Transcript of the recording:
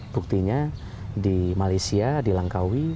buktinya di malaysia di langkawi